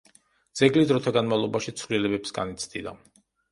ძეგლი დროთა განმავლობაში ცვლილებებს განიცდიდა.